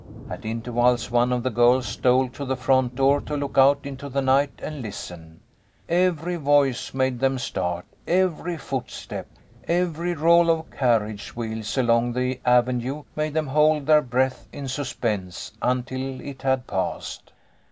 At intervals one of the girls stole to the front door to look out into the night and listen. Every voice made them start, every THE DAY AFTER THANKSGIVING. 195 footstep. Every roll of carriage wheels along the avenue made them hold their breath in suspense until it had passed.